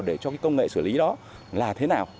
để cho cái công nghệ xử lý đó là thế nào